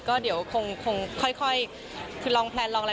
ก็เดี๋ยวคงค่อยคือลองแพลนลองอะไร